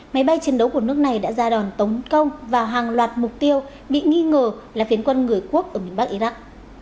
máy bay chiến đấu của nước này đã ra đòn tống công vào hàng loạt mục tiêu bị nghi ngờ là phiến quân người quốc ở miền bắc iraq